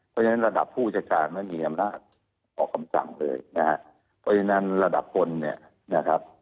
เพราะฉะนั้นระดับผู้จัดการเนี่ยต่อเงียบด้านหลัก